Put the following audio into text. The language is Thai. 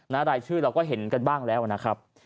รายชื่อเราก็เห็นกันบ้างแล้วนะครับ